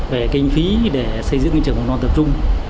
về kinh phí để xây dựng trường mầm non tập trung